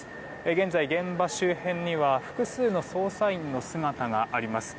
現在、現場周辺には複数の捜査員の姿があります。